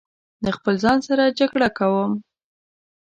له خپل ځان سره جګړه کوم